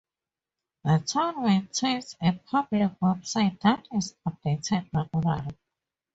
The town maintains a public website that is updated regularly.